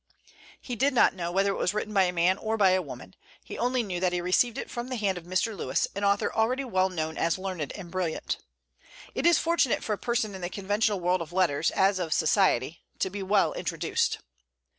He did not know whether it was written by a man or by a woman; he only knew that he received it from the hand of Mr. Lewes, an author already well known as learned and brilliant. It is fortunate for a person in the conventional world of letters, as of society, to be well introduced.